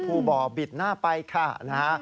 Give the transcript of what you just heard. ภูเบาบิดหน้าไปค่ะ